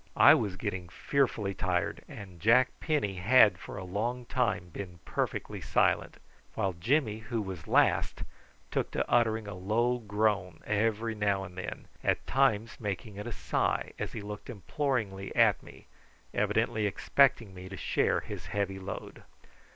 I was getting fearfully tired and Jack Penny had for a long time been perfectly silent, while Jimmy, who was last, took to uttering a low groan every now and then, at times making it a sigh as he looked imploringly at me, evidently expecting me to share his heavy load.